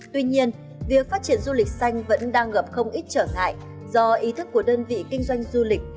tuy nhiên việc phát triển du lịch xanh vẫn đang gặp không ít trở ngại do ý thức của đơn vị kinh doanh du lịch